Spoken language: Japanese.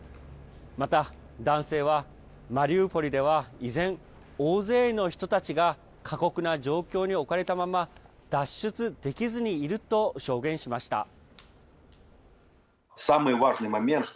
また、男性はマリウポリでは依然、大勢の人たちが過酷な状況に置かれたまま、脱出できずにいると、証言しました。